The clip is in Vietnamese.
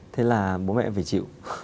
thế là bố mẹ em phải chịu